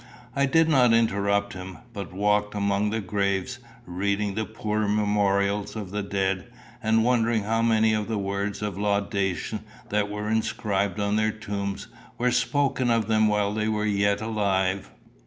I did not interrupt him, but walked among the graves, reading the poor memorials of the dead, and wondering how many of the words of laudation that were inscribed on their tombs were spoken of them while they were yet alive.